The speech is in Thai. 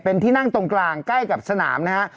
เป็นที่นั่งตรงกลางใกล้กับสนามนะฮะ